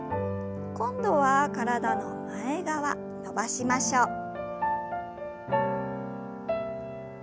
今度は体の前側伸ばしましょう。